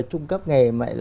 trung cấp nghề